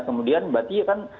kemudian berarti kan